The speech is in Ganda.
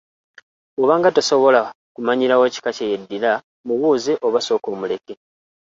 Bw’obanga tosobola kumanyirawo kika kye yeddira mubuuze oba sooka omuleke.